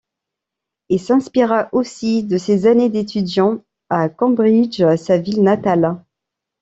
Il s'inspira aussi de ses années d'étudiants à Cambridge, sa ville natale.